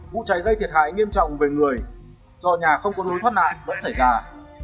vụ cháy gây thiệt hại nghiêm trọng về người do nhà không có lối thoát nạn vẫn xảy ra